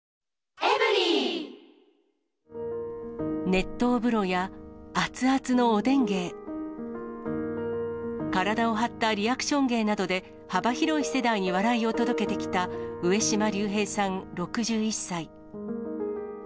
熱湯風呂や熱々のおでん芸、体を張ったリアクション芸などで、幅広い世代に笑いを届けてきた、上島竜兵さん６１歳。